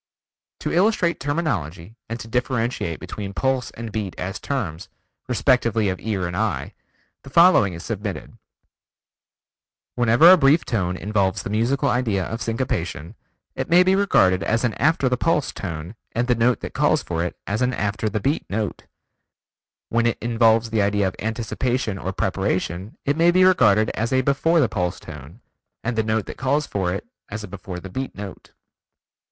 To illustrate terminology and to differentiate between Pulse and Beat as terms, respectively of ear and eye, the following is submitted: Whenever a brief tone involves the musical idea of syncopation, it may be regarded as an after the pulse tone and the note that calls for it as an after the beat note; when it involves the idea of anticipation or preparation it may be regarded as a before the pulse tone, and the note that calls for it, as a before the beat note.